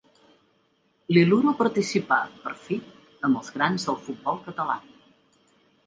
L'Iluro participà, per fi, amb els grans del futbol català.